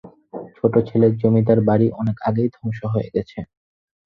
ছোট ছেলের জমিদার বাড়ি অনেক আগেই ধ্বংস হয়ে গেছে।